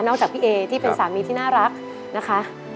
จากพี่เอที่เป็นสามีที่น่ารักนะคะ